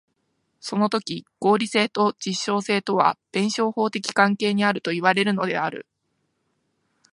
そのとき合理性と実証性とは弁証法的関係にあるといわれるのである。